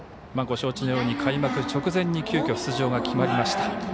ご承知のように開幕直前に急きょ、出場が決まりました。